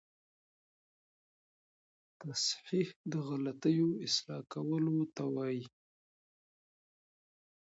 تصحیح د غلطیو اصلاح کولو ته وايي.